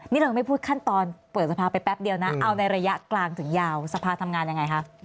นี่เราไม่พูดขั้นตอนเปิดสภาไปแป๊บเดียวนะเอาในระยะกลางถึงยาวสภาทำงานยังไงคะ